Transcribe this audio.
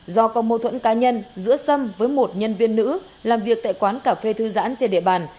do có mô thuẫn cá nhân giữa sâm với một nhân viên nữ làm việc tại quán cà phê thư giãn trên địa bàn